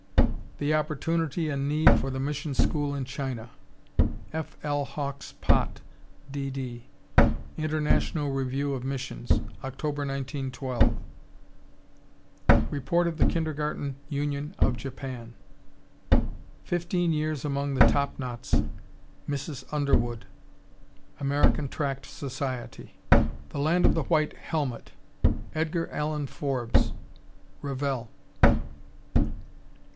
"The Opportunity and Need for the Mission School in China." F. L. Hawks Pott, D.D., Intern'l Review of Missions, Oct., 1912. Report of the Kindergarten Union of Japan. Fifteen Years among the Top Knots, Mrs. Underwood, (Am. Tract Soc.) The Land of the White Helmet, Edgar Allen Forbes, (Revell.)